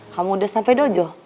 kamu udah sampai dojo